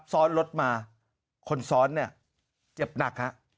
ซ้อนรถมาคนซ้อนเนี่ยเจ็บหนักฮะ